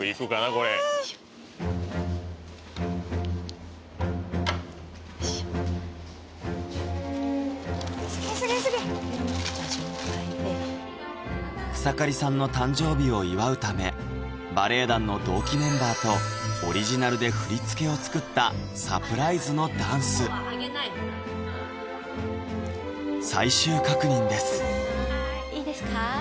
これ持った状態で草刈さんの誕生日を祝うためバレエ団の同期メンバーとオリジナルで振り付けを作ったサプライズのダンス最終確認ですいいですか？